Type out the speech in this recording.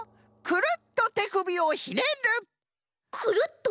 くるっとてくびをひねる？